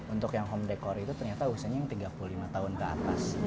untuk yang home decor itu ternyata usianya yang tiga puluh lima tahun ke atas